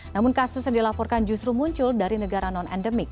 namun kasus yang dilaporkan justru muncul dari negara non endemik